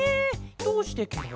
どうしてケロ？